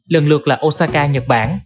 lần lượt là osaka nhật bản